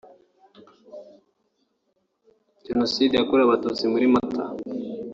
Jenoside yakorewe abatutsi muri Mata